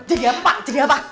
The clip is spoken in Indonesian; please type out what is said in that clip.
jadi apa jadi apa